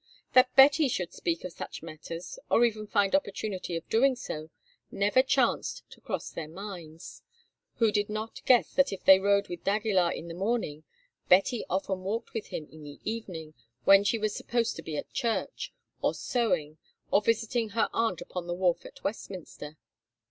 That Betty should speak of such matters, or even find opportunity of doing so, never chanced to cross their minds, who did not guess that if they rode with d'Aguilar in the morning, Betty often walked with him in the evening when she was supposed to be at church, or sewing, or visiting her aunt upon the wharf at Westminster.